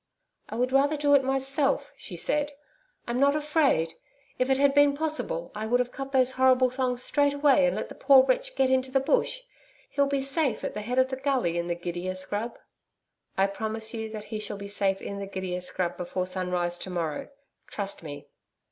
'I would rather do it myself,' she said. 'I'm not afraid. If it had been possible, I would have cut those horrible thongs straight away and let the poor wretch get into the bush. He'll be safe at the head of the gully in the gidia scrub.' 'I promise you that he shall be safe in the gidia scrub before sunrise to morrow. Trust me.'